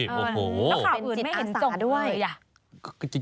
โอ้โหโอ้โหเป็นจิตอาหารสาด้วยแล้วข่าวอื่นไม่เห็นส่งเลย